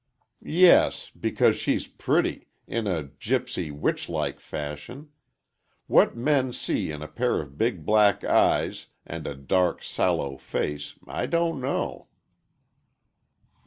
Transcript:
"Yes, because she's pretty—in a gipsy, witch like fashion. What men see in a pair of big black eyes, and a dark, sallow face, I don't know!"